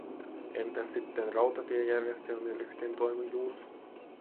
Entäs sitten rautatiejärjestelmien yhteentoimivuus?